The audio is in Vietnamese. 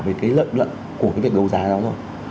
về cái lợi nhuận của cái việc đấu giá đó rồi